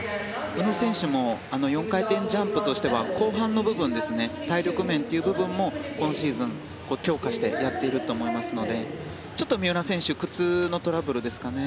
宇野選手も４回転ジャンプとしては後半の部分体力面という部分も今シーズン、強化してやっていると思いますのでちょっと三浦選手靴のトラブルですかね。